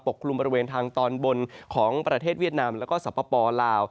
กลุ่มบริเวณทางตอนบนของประเทศเวียดนามแล้วก็สปลาว